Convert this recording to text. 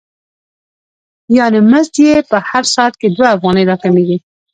یانې مزد یې په هر ساعت کې دوه افغانۍ را کمېږي